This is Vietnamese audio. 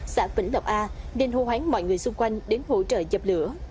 xã vĩnh lộc a nên hô hoán mọi người xung quanh đến hỗ trợ dập lửa